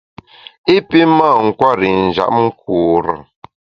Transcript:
I pi mâ nkwer i njap nkure.